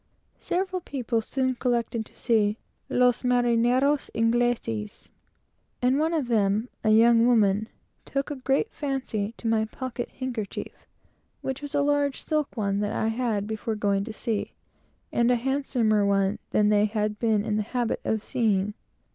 Several people were soon collected to see "los Ingles marineros," and one of them a young woman took a great fancy to my pocket handkerchief, which was a large silk one that I had before going to sea, and a handsomer one than they had been in the habit of seeing.